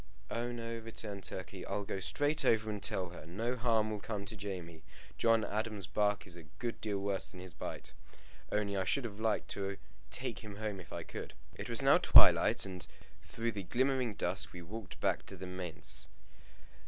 "Oh no," returned Turkey. "I'll go straight over and tell her. No harm will come to Jamie. John Adam's bark is a good deal worse than his bite. Only I should have liked to take him home if I could." It was now twilight, and through the glimmering dusk we walked back to the manse.